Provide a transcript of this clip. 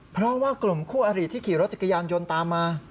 เพราะว่ากลุ่มคู่อริที่ขี่รถจักรยานยนต์ตามมา